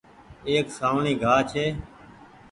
ايڪ سآوڻي گآه ڇي۔